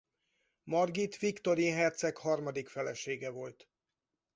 Margit Viktorin herceg harmadik felesége volt.